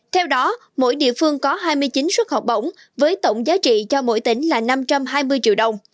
theo đó mỗi địa phương có hai mươi chín suất học bổng với tổng giá trị cho mỗi tỉnh là năm trăm hai mươi triệu đồng